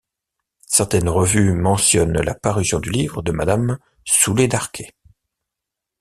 Certaines revues mentionnent la parution du livre de Madame Souley-Darqué.